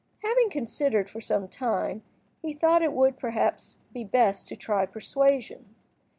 Having considered for some time, he thought it would, perhaps, be best to try persuasion.